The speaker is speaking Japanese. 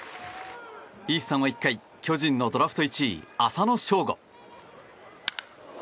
イースタンは１回巨人のドラフト１位、浅野翔吾。